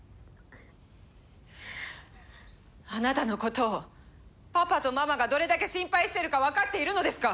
あなたのことをパパとママがどれだけ心配しているかわかっているのですか？